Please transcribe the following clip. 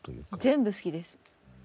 全部好きです。